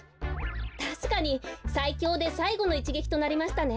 たしかにさいきょうでさいごのいちげきとなりましたね。